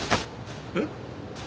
えっ？